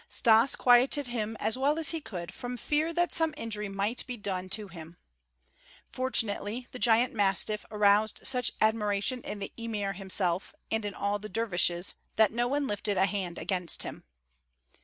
Stas quieted him as well as he could from fear that some injury might be done to him. Fortunately the giant mastiff aroused such admiration in the emir himself and in all the dervishes that no one lifted a hand against him.